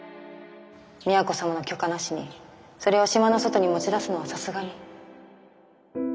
都様の許可なしにそれを島の外に持ち出すのはさすがに。